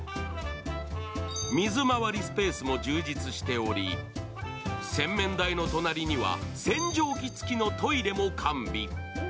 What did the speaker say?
水回りスペースも充実しており洗面台の隣には洗浄器付きのトイレも完備。